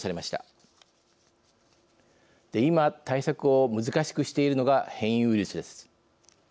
今対策を難しくしているのが変異ウイルスです。